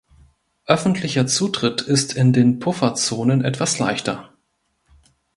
Öffentlicher Zutritt ist in den Pufferzonen etwas leichter.